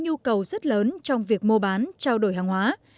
phố bắc cạn đi huyện chợ đồn có nhu cầu rất lớn trong việc mua bán trao đổi hàng hóa